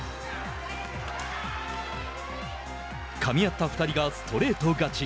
かみ合った２人がストレート勝ち。